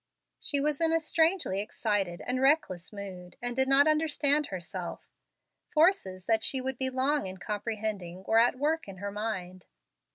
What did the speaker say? She was in a strangely excited and reckless mood, and did not understand herself. Forces that she would be long in comprehending were at work in her mind.